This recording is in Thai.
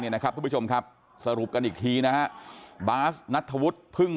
นะครับทุกผู้ชมครับสรุปกันอีกทีนะฮะบาสนัทธวุฒิพึ่ง